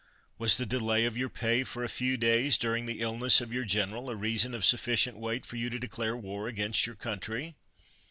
Was the delay of your pay for a few days, during the illness of your general, a reason of sufficient weight for you to declare war against your country?